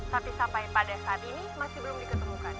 tapi sampai pada saat ini masih belum diketemukan